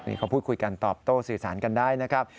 นี่เขาพูดคุยกันตอบโต้สื่อสารกันได้นะครับ